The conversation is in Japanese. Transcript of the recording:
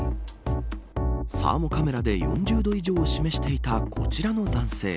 サーモカメラで４０度以上を示していたこちらの男性。